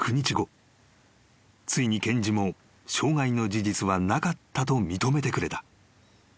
［ついに検事も傷害の事実はなかったと認めてくれた］